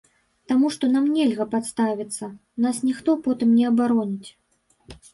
Таму што нам нельга падставіцца, нас ніхто потым не абароніць.